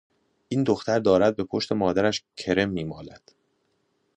این دختر دارد به پشت مادرش کرم میمالد.